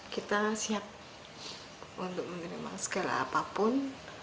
kita siap untuk menerima segala apapun